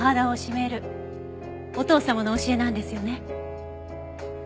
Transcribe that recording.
お父様の教えなんですよね？